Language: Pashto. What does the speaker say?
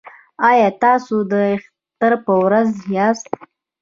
ایا تاسو د اختر په ورځ یاست؟